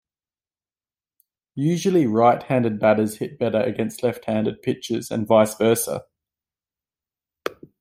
Usually, right-handed batters hit better against left-handed pitchers and "vice versa".